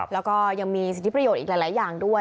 แล้วก็ยังมีสิทธิประโยชน์อีกหลายอย่างด้วย